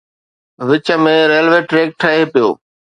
وچ ۾ railway track ٽٽي پيو